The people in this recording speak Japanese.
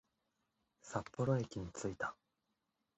札幌駅に着いた